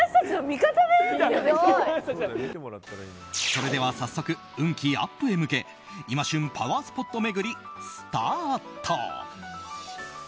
それでは早速運気アップへ向け今旬パワースポット巡りスタート。